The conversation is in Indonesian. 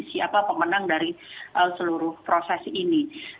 siapa pemenang dari seluruh proses ini